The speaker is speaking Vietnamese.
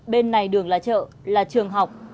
bên này đường là chợ là trường học